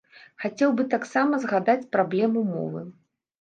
Хацеў бы таксама згадаць праблему мовы.